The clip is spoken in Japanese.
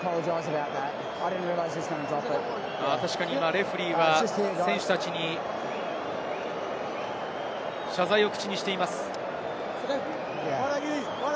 レフェリーは選手たちに謝罪を口にしています。